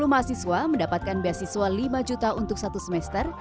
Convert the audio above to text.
lima puluh mahasiswa mendapatkan beasiswa lima juta untuk satu semester